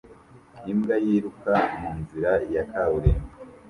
Imbwa yiruka munzira ya kaburimbo